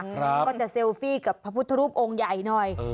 ก็จะเซลฟี่กับพระพุทธรูปองค์ใหญ่หน่อย